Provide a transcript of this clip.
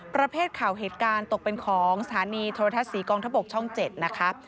ประเภทข่าวเหตุการณ์ตกเป็นของสถานีโทรทัศน์ศรีกองทบกช่อง๗นะคะ